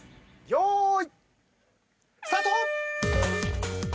よーいスタート！